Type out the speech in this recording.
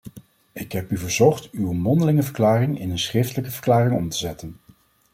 Ik heb u verzocht uw mondelinge verklaring in een schriftelijke verklaring om te zetten.